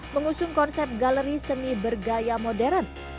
mengusung konsep galeri seni bergaya modern